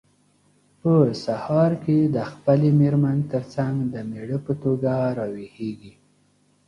په سهار کې د خپلې مېرمن ترڅنګ د مېړه په توګه راویښیږي.